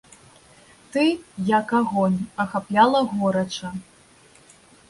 Ты, як агонь, ахапляла горача.